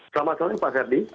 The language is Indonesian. selamat sore pak herdi